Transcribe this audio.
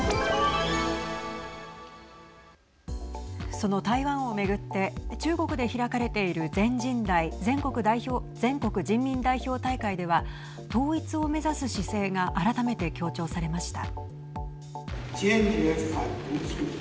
その台湾を巡って中国で開かれている全人代＝全国人民代表大会では統一を目指す姿勢が改めて強調されました。